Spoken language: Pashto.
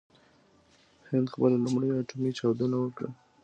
هند خپله لومړۍ اټومي چاودنه وکړه.